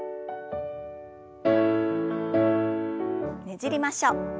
ねじりましょう。